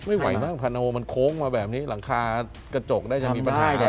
ไม่ไหวบ้างพาโนมันโค้งมาแบบนี้หลังคากระจกน่าจะมีปัญหากัน